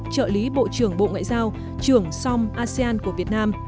chuyện việt nam